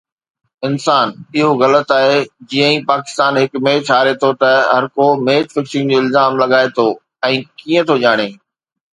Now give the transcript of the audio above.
انسان، اهو غلط آهي. جيئن ئي پاڪستان هڪ ميچ هاري ٿو ته هرڪو ميچ فڪسنگ جو الزام لڳائي ٿو ۽ ڪيئن ٿو ڄاڻي